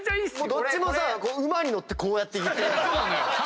どっちも馬に乗ってこうやって言ってるやつ。